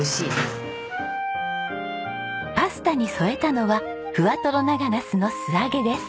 パスタに添えたのはふわとろ長ナスの素揚げです。